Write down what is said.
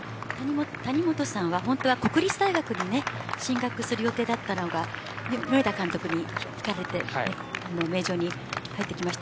谷本さんは本当は国立大学に進学する予定でしたが米田監督にひかれて名城に入ってきました。